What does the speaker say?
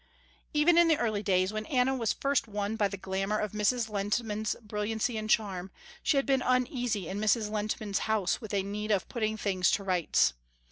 Even in the early days when Anna was first won by the glamour of Mrs. Lehntman's brilliancy and charm, she had been uneasy in Mrs. Lehntman's house with a need of putting things to rights.